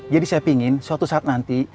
jadi saya pingin suatu saat nanti